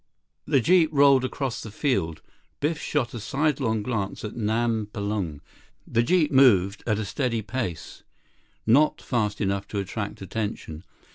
The jeep rolled across the field. Biff shot a sidelong glance at Nam Palung. The jeep moved at a steady pace, not fast enough to attract attention.